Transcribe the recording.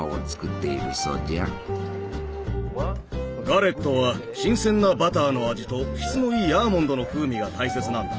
ガレットは新鮮なバターの味と質のいいアーモンドの風味が大切なんだ。